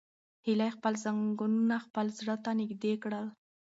هیلې خپل زنګونونه خپل زړه ته نږدې کړل.